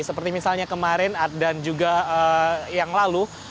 seperti misalnya kemarin dan juga yang lalu